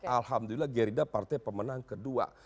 alhamdulillah gerida partai pemenang kedua